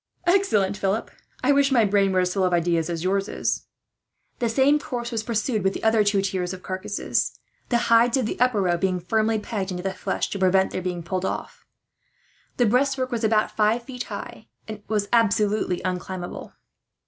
"Excellent, Philip. I wish my brain was as full of ideas as yours is." The same course was pursued with the other two tiers of carcasses, the hides of the upper row being firmly pegged into the flesh, to prevent their being pulled off. The breastwork was about five feet high, and was absolutely unclimbable.